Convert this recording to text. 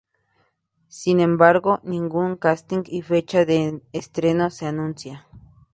Sin embargo, ningún casting y fecha de estreno se anuncia.